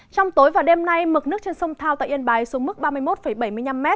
trong tối và đêm nay mực nước trên sông thao tại yên bái xuống mức ba mươi một bảy mươi năm m